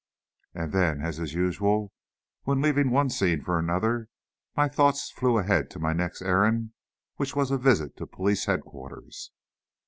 And then, as is usual, when leaving one scene for another, my thoughts flew ahead to my next errand, which was a visit to Police Headquarters.